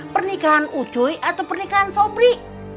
pernikahan ucuy atau pernikahan febri